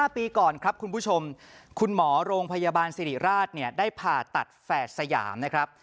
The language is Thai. ปีก่อนครับคุณผู้ชมคุณหมอโรงพยาบาลสิริราชได้ผ่าตัดแฝดสยามนะครับ